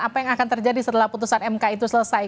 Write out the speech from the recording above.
apa yang akan terjadi setelah putusan mk itu selesai